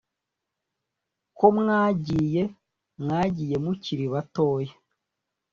ko mwagiye, mwagiye mukiri batoya